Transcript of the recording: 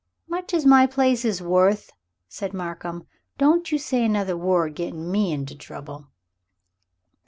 "Much as my place is worth," said Markham; "don't you say another word getting me into trouble."